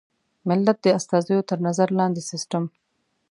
ملت د استازیو تر نظر لاندې سیسټم.